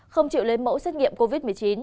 không chịu lấy mẫu xét nghiệm covid một mươi chín